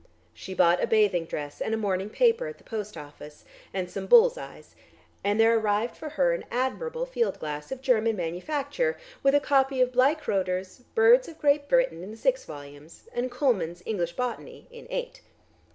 She bought a bathing dress and a morning paper at the post office and some bull's eyes, and there arrived for her an admirable field glass of German manufacture, with a copy of Bleichroder's "Birds of Great Britain" in six volumes and Kuhlmann's "English Botany" in eight.